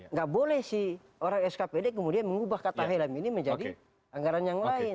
nggak boleh si orang skpd kemudian mengubah kata helm ini menjadi anggaran yang lain